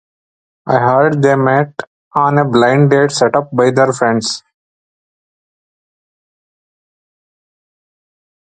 I heard they met on a blind date set up by their friends.